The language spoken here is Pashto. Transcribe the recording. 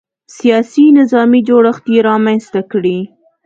سیاسي نظامي جوړښت یې رامنځته کړی.